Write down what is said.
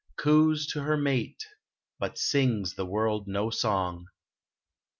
Coos to her mate, but sings the world no song !